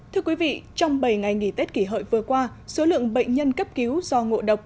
thưa quý vị trong bảy ngày nghỉ tết kỷ hội vừa qua số lượng bệnh nhân cấp cứu do ngộ độc